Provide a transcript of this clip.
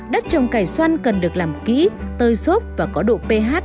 đất trồng cải xoăn cần được làm kỹ tơi xốp và có độ ph